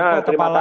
ya terima kasih